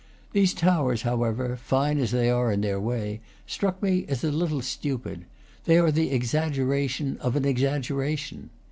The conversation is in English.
These towers, however, fine as they are in their way, struck me as a little stupid; they are the exaggeration of an exaggeration.